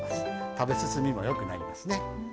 食べ進みもよくなりますね。